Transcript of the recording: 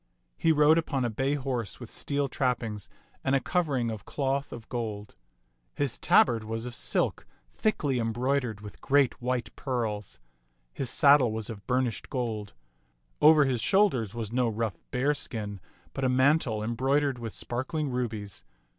He rode upon a bay horse with steel trappings and a covering of cloth of gold. His tabard was of silk, thickly embroidered with great white pearls. His sad dle was of burnished gold. Over his shoulders was no rough bearskin, but a mantle embroidered with spar kling rubies.